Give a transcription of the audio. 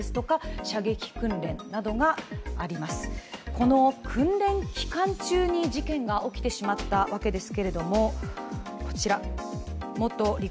この訓練期間中に事件が起きてしまったわけです。